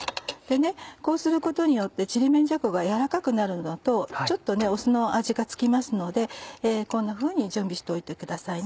こうすることによってちりめんじゃこがやわらかくなるのとちょっと酢の味が付きますのでこんなふうに準備しといてくださいね。